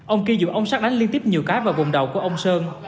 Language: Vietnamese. ông kia dụ ống sắt đánh liên tiếp nhiều cái vào vùng đầu của ông sơn